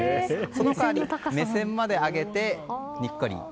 その代り目線まで上げてにっこり。